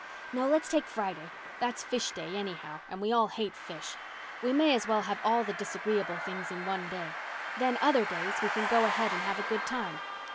No, let's take Friday. That's fish day, anyhow, and we all hate fish. We may as well have all the disagreeable things in one day. Then other days we can go ahead and have a good time."